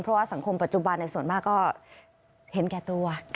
เพราะว่าสังคมปัจจุบันในส่วนมากก็เห็นแก่ตัว